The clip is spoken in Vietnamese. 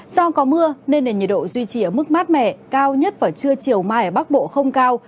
do có mưa nên nền nhiệt độ duy trì ở mức mát mẻ cao nhất vào trưa chiều mai ở bắc bộ không cao